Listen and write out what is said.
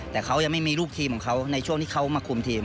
แต่เขายังไม่มีลูกทีมของเขาในช่วงที่เขามาคุมทีม